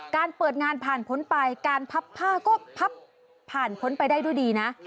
การเปิดงานผ่านพ้นไปการพับผ้าก็พับผ่านพ้นไปได้ด้วยดีนะ